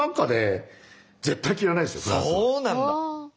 そうなんだ！